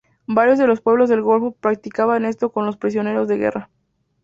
Varios de los pueblos del golfo practicaban esto con los prisioneros de guerra.